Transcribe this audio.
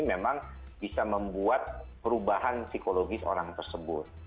memang bisa membuat perubahan psikologis orang tersebut